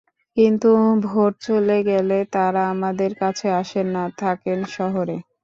কিন্তু ভোট চলে গেলে তাঁরা আমাদের কাছে আসেন না, থাকেন শহরে।